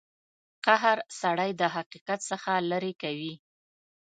قهر سړی د حقیقت څخه لرې کوي.